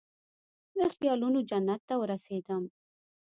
د خیالونوجنت ته ورسیدم